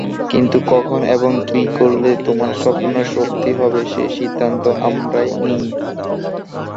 কিন্তু কখন এবং কী করলে তোমার স্বপ্ন সত্যি হবে সেই সিদ্ধান্ত আমরাই নিই।